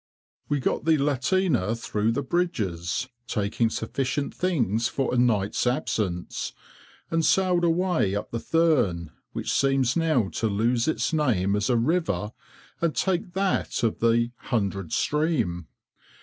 We got the lateener through the bridges, taking sufficient things for a night's absence, and sailed away up the Thurne, which seems now to lose its name as a river, and take that of the "Hundred Stream."